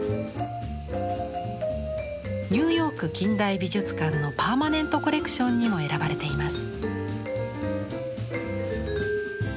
ニューヨーク近代美術館のパーマネントコレクションにも選ばれています。